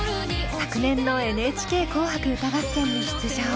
昨年のＮＨＫ「紅白歌合戦」に出場。